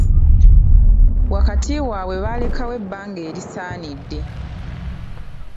Wakati waabwe balekawo ebbanga erisaanidde.